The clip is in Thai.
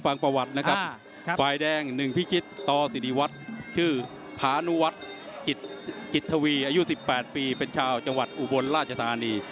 ฟังประวัตินะครับฝ่ายแดง๑พิจิตตสิริวัตรชื่อพานุวัฒน์จิตทวีอายุ๑๘ปีเป็นชาวจังหวัดอุบลราชธานี